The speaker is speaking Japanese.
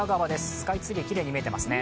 スカイツリー、きれいに見えてますね。